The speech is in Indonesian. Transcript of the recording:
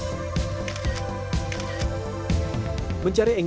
kita akan mencari jalan layang